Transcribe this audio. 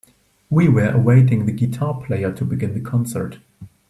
We were awaiting the guitar player to begin the concert.